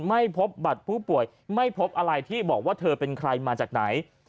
ไม่พบบัตรผู้ป่วยไม่พบอะไรที่บอกว่าเธอเป็นใครมาจากไหน